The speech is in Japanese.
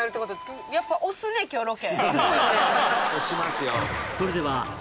「押しますよ」